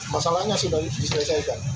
masalahnya sudah diselesaikan